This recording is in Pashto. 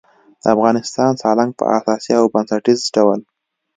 د افغانستان سالنګ په اساسي او بنسټیز ډول